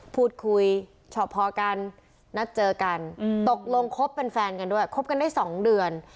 พูดคุยชอบพอกันนัดเจอกันตกลงคบเป็นแฟนกันด้วยคบกันได้๒เดือน